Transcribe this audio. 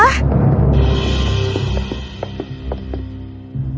ketika ratu norwa menemukan ratu norwa